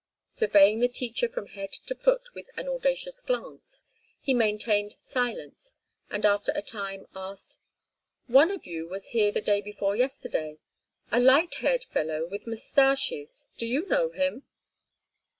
Surveying the teacher from head to foot with an audacious glance, he maintained silence, and after a time, asked: "One of you was here the day before yesterday. A light haired fellow, with moustaches. Do you know him?"